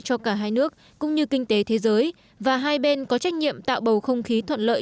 cho cả hai nước cũng như kinh tế thế giới và hai bên có trách nhiệm tạo bầu không khí thuận lợi